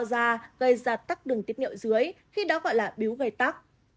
gây ra tắc đường tiết niệm dưới khi đó gọi là bíu gây tắc